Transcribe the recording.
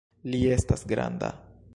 Li estas granda!